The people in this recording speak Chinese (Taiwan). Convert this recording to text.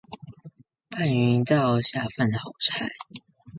拌勻一道下飯的好菜